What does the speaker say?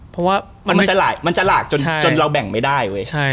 เพราะว่ามันจะหลากจนเราแบ่งไม่ได้เว้ย